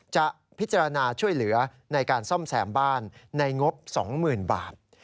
จะพิจารณาช่วยเหลือในการซ่อมแซมบ้านในงบ๒๐๐๐บาท